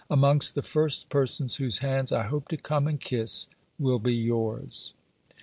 Amongst the first persons whose hands I hope to come and kiss will be yours.